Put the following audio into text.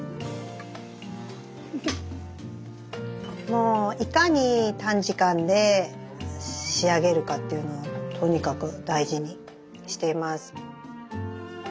もういかに短時間で仕上げるかっていうのをとにかく大事にしています。